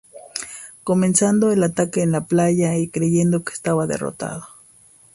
Comenzado el ataque en la playa, y creyendo que estaba derrotado.